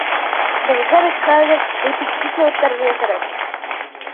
Беҙгә бит хәҙер репетиция үткәрергә кәрәк.